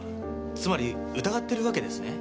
つまり疑ってるわけですね？